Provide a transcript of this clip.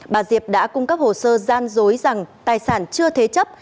bà diệp đã cung cấp hồ sơ gian dối rằng tài sản chưa thế chấp